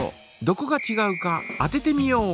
どこがちがうか当ててみよう！